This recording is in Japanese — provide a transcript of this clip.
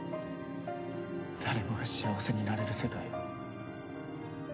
誰もが幸せになれる世界を。